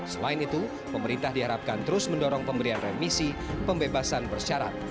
selain itu pemerintah diharapkan terus mendorong pemberian remisi pembebasan bersyarat